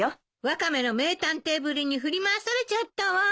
ワカメの名探偵ぶりに振り回されちゃったわ。